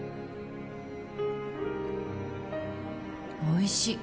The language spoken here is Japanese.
おいしい。